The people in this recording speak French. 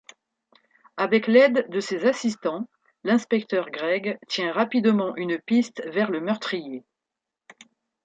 Avec l'aide de ses assistants, l'inspecteur Craig tient rapidement une piste vers le meurtrier.